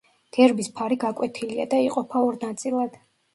გერბის ფარი გაკვეთილია და იყოფა ორ ნაწილად.